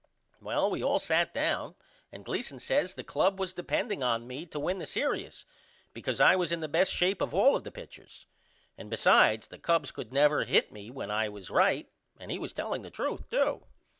Well we all set down and Gleason says the club was depending on me to win the serious because I was in the best shape of all the pitchers. And besides the Cubs could not never hit me when I was right and he was telling the truth to.